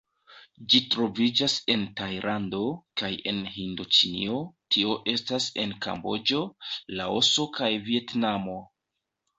Ĝi troviĝas en Tajlando kaj en Hindoĉinio, tio estas en Kamboĝo, Laoso kaj Vjetnamo.